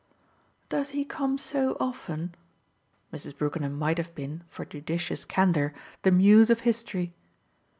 "Does he come so often?" Mrs. Brookenham might have been, for judicious candour, the Muse of History.